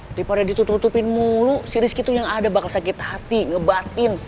daripada ditutupin mulu si rizky itu yang ada bakal sakit hati ngebatin